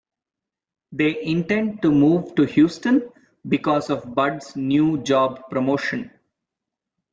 They intend to move to Houston because of Bud's new job promotion.